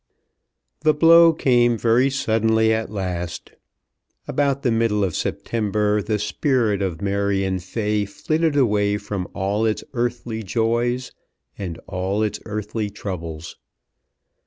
The blow came very suddenly at last. About the middle of September the spirit of Marion Fay flitted away from all its earthly joys and all its earthly troubles.